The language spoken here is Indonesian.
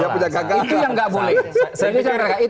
itu yang gak boleh